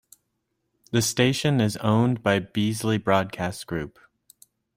The station is owned by Beasley Broadcast Group.